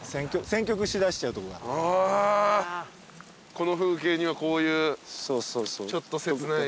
この風景にはこういうちょっと切ない。